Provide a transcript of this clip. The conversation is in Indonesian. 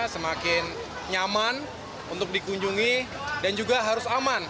semakin nyaman untuk dikunjungi dan juga harus aman